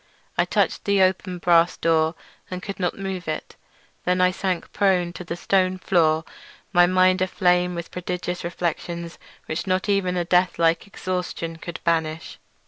I touched the open brass door, and could not move it. Then I sank prone to the stone floor, my mind aflame with prodigious reflections which not even a death like exhaustion could banish.